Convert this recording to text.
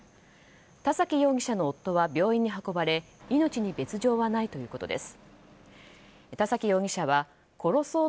田崎容疑者の夫は病院に運ばれ命に別条はないということです。